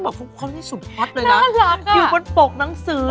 ก็แบบเขาที่สุดฟักเลยน่ะอยู่บนปกหนังสือโอ๊ย